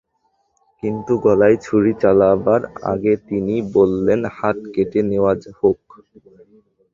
কিন্তু গলায় ছুরি চালাবার আগে তিনি বললেন হাত কেটে নেওয়া হোক।